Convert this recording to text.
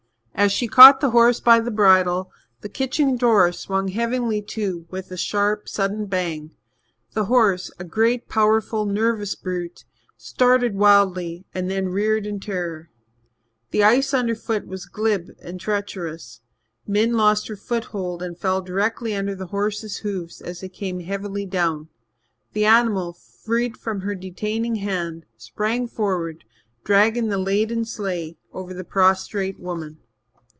As she caught the horse by the bridle, the kitchen door swung heavily to with a sharp, sudden bang. The horse, a great, powerful, nervous brute, started wildly and then reared in terror. The ice underfoot was glib and treacherous. Min lost her foothold and fell directly under the horse's hoofs as they came heavily down. The animal, freed from her detaining hand, sprang forward, dragging the laden sleigh over the prostrate woman.